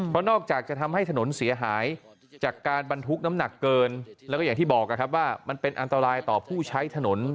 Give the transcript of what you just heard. เพราะนอกจากจะทำให้ถนนเสียหายจากการบรรทุกน้ำหนักเกินแล้วก็อย่างที่บอกนะครับว่ามันเป็นอันตรายต่อผู้ใช้ถนน